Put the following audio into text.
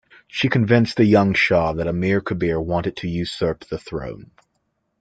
She convinced the young shah that Amir Kabir wanted to usurp the throne.